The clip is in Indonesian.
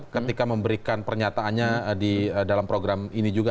ketika memberikan pernyataannya di dalam program ini juga